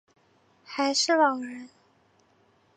还是老人